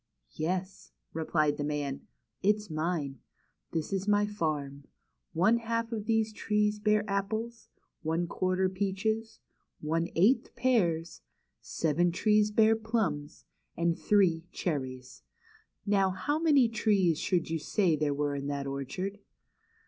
"Yes," replied the man; "it's mine. This is my farm. One half of these trees bear apples, one quarter peaches, one eighth pears, seven trees bear plums, and three, cherries. Now how many trees should you say there were in that orchard?"